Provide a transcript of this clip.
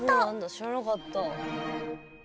知らなかったです